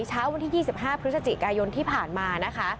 เช้าวันที่๒๕พศกายมที่ผ่านมา